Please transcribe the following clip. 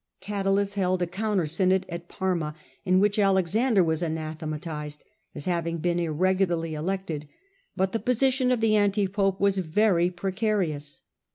Cadalus held a counter synod at Parma, in which Alexander was anathematised as having been irregularly elected ; but the position of the anti pope was very pre carious.